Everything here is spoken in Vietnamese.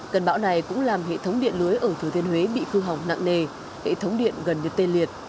cần bão này cũng làm hệ thống điện lưới ở thừa thiên huế bị phư hỏng nặng nề hệ thống điện gần được tên liệt